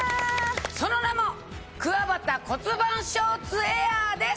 その名も「くわばた骨盤ショーツエアー」です。